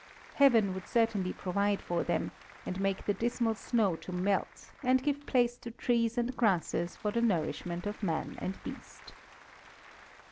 Heaven would certainly provide for them, and make the dismal snow to melt, and give place to trees and grasses for the nourishment of man and beast.